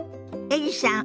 エリさん